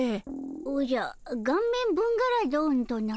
おじゃガンメンブンガラドンとな？